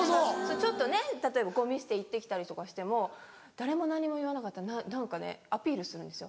ちょっと例えばゴミ捨て行って来たりとかしても誰も何も言わなかったら何かねアピールするんですよ。